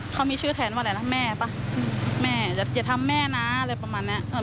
เขามีชื่อแทนว่าอะไรนะแม่ป่ะแม่อย่าทำแม่นะอะไรประมาณเนี้ย